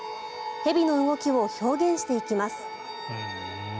蛇の動きを表現していきます。